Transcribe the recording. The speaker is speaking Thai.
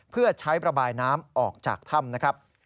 เพื่อใช้ประบายน้ำออกจากถ้ำนะครับ